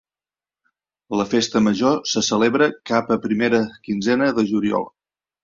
La festa major se celebra cap a primera quinzena de juliol.